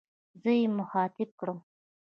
زه يې مخاطب کړم.